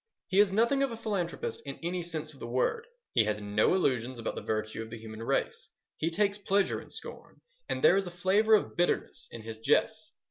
He is nothing of a philanthropist in any sense of the word. He has no illusions about the virtue of the human race. He takes pleasure in scorn, and there is a flavour of bitterness in his jests.